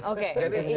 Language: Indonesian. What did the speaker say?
oke itu bisa